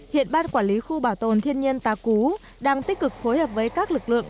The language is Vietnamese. hiện ban quản lý khu bảo tồn thiên nhiên tà cú đang tích cực phối hợp với các lực lượng